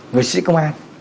người sĩ công an